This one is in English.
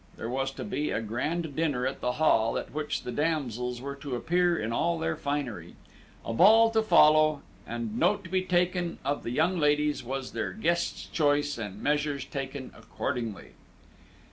There was to be a grand dinner at the Hall, at which the damsels were to appear in all their finery. A ball to follow, and note be taken which of the young ladies was their guest's choice, and measures taken accordingly.